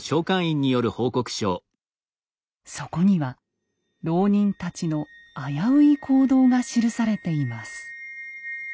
そこには牢人たちの危うい行動が記されています。